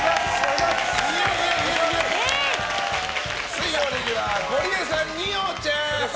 水曜レギュラーゴリエさん、二葉ちゃん！